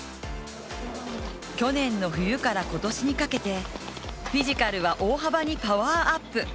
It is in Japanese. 去年の冬から今年にかけてフィジカルは大幅にパワーアップ。